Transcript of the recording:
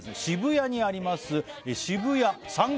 渋谷にありますえ！？